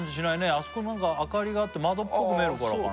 あそこになんか明かりがあって窓っぽく見えるからかな